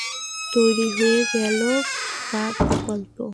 তৈরী হয়ে গেল তার প্রকল্প।